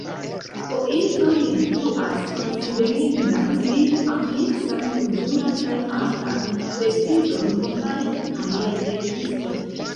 Poetoj ĝuas konsiderindan pli ampleksan kulturan kaj artan prestiĝon kompare kun aliaj verkistoj.